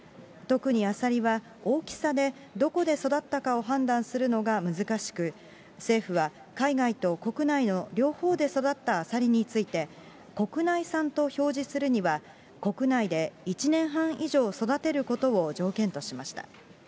特にアサリは、大きさでどこで育ったかを判断するのが難しく、政府は海外と国内の両方で育ったアサリについて、国内産と表示するには、国内で１年半以上育てることを条件としました。